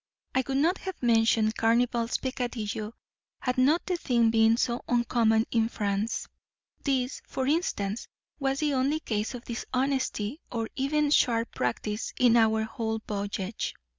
I would not have mentioned Carnival's peccadillo had not the thing been so uncommon in France. This, for instance, was the only case of dishonesty or even sharp practice in our whole voyage.